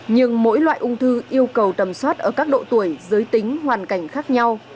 nhưng mỗi loại ung thư yêu cầu tầm soát ở các độ tuổi giới tính hoàn cảnh khác nhau